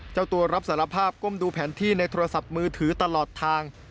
เจ้าตัวรับสารภาพก้มดูแผนที่ในโทรศัพท์มือถือตลอดทาง